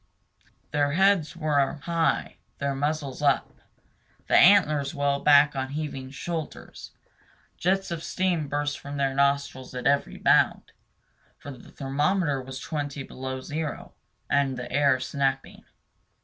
Their heads were high, their muzzles up, the antlers well back on heaving shoulders. Jets of steam burst from their nostrils at every bound; for the thermometer was twenty below zero, and the air snapping.